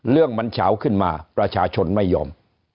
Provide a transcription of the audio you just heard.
เรื่องมันเฉาขึ้นมาประชาชนไม่ยอม